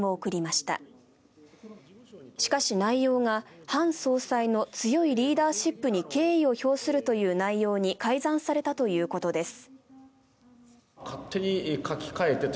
しかし、内容がハン総裁の強いリーダーシップに敬意を表するという内容に改ざんされたということです。